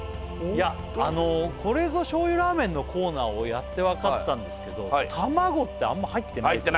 いやあの「これぞ醤油ラーメン」のコーナーをやってわかったんですけど卵ってあんま入ってないです